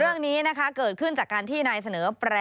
เรื่องนี้นะคะเกิดขึ้นจากการที่นายเสนอแปร